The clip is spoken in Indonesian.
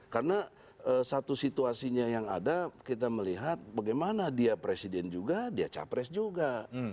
karena satu situasinya yang ada kita melihat bagaimana dia presiden juga dia capres juga